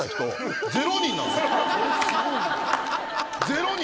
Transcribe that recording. ０人！